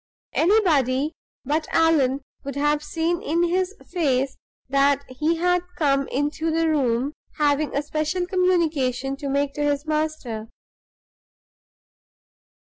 Anybody but Allan would have seen in his face that he had come into the room having a special communication to make to his master.